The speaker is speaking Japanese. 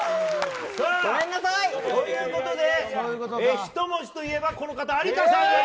さあ、ということで１文字といえば、この方有田さんです。